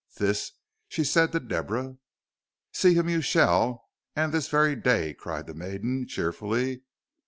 This she said to Deborah. "See him you shall, and this very day," cried the maiden, cheerfully.